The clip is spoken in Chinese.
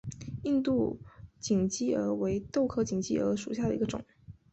印度锦鸡儿为豆科锦鸡儿属下的一个种。